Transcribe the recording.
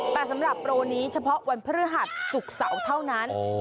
แต่สำหรับโปรนี้เฉพาะวันพฤหัสศุกร์เสาร์เท่านั้น